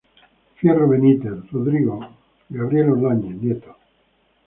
Fierro Benítez, Rodrigo; Gabriel Ordóñez Nieto.